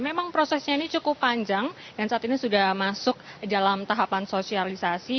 memang prosesnya ini cukup panjang yang saat ini sudah masuk dalam tahapan sosialisasi